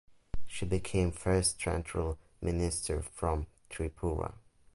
She became first Central Minister from Tripura.